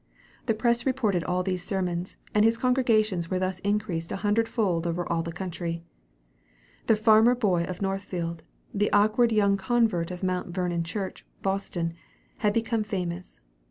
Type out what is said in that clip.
The press reported all these sermons, and his congregations were thus increased a hundred fold all over the country. The farmer boy of Northfield, the awkward young convert of Mount Vernon Church, Boston, had become famous.